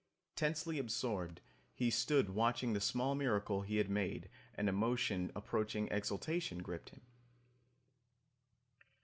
Tensely absorbed, he stood watching the small miracle he had made and emotion approaching exultation gripped him.